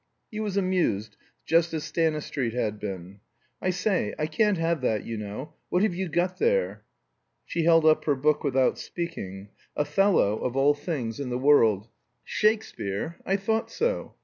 He was amused, just as Stanistreet had been. "I say, I can't have that, you know. What have you got there?" She held up her book without speaking. "Othello," of all things in the world! "Shakespeare? I thought so.